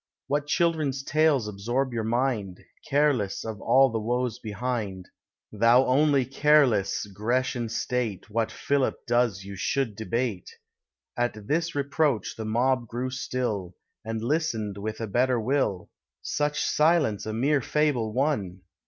What children's tales absorb your mind, Careless of all the woes behind! Thou only careless Grecian state, What Philip does you should debate." At this reproach the mob grew still, And listen'd with a better will: Such silence a mere fable won!